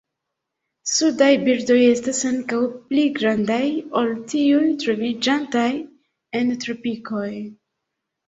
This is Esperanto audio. Sudaj birdoj estas ankaŭ pli grandaj ol tiuj troviĝantaj en tropikoj.